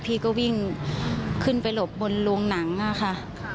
พี่ก็วิ่งขึ้นไปหลบบนโรงหนังค่ะ